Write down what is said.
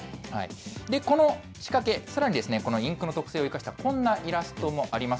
この仕掛け、さらにこのインクの特性を生かしたこんなイラストもあります。